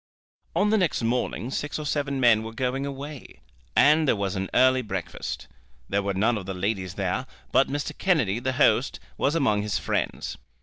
On the next morning six or seven men were going away, and there was an early breakfast. There were none of the ladies there, but Mr. Kennedy, the host, was among his friends.